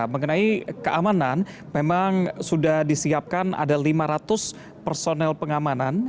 mengenai keamanan memang sudah disiapkan ada lima ratus personel pengamanan